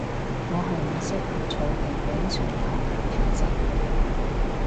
我係唔適合坐定定上堂嘅體質